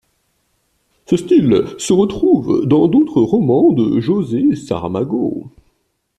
Ce style se retrouve dans d'autres romans de José Saramago.